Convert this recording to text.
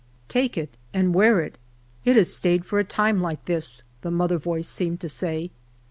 " Take it and wear it ; it has stayed for a time like this," the mother voice seemed to say.